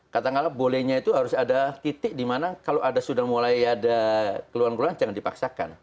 katanya bolehnya itu harus ada titik di mana kalau ada sudah mulai ada keluhan keluhan jangan dipaksakan